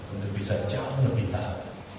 itu bisa jauh lebih tahu